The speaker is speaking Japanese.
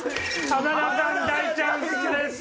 浜田さん大チャンスです！